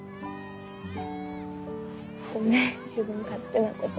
ごめん自分勝手なこと。